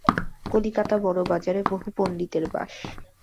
কলিকাতা বড়বাজারে বহু পণ্ডিতের বাস।